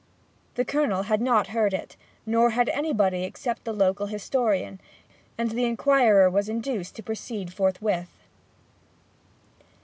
The Colonel had not heard it, nor had anybody except the local historian; and the inquirer was induced to proceed forthwith.